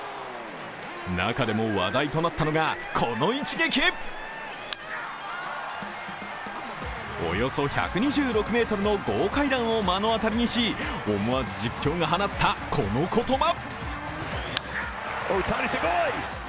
中でも話題となったのが、この一撃およそ１２６ｍの豪快弾を目の当たりにし思わず実況が放った、この言葉。